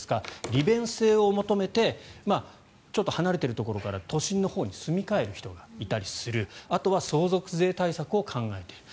利便性を求めてちょっと離れているところから都心に住み替える人もいるあとは相続税対策を考えている。